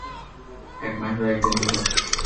এক মাস বা এক দিনই হোক।